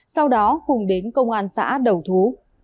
sau đó hùng đến công an xã đầu thú